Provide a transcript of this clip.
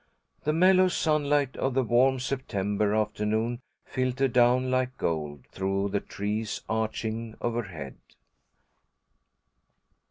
The mellow sunlight of the warm September afternoon filtered down like gold, through the trees arching overhead.